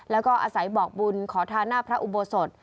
แล้วก็อาศัยบอกบุญขอทานหน้าพระอุโบสถ